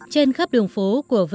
trên khắp đường phố của vrindavan